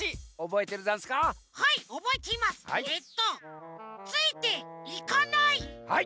えっとついて「いか」ない！